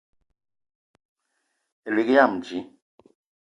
Elig yam dji